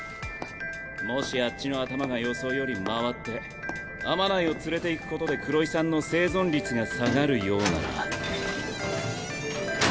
もしあっちの頭が予想より回って天内を連れていくことで黒井さんの生存率が下がるようなら。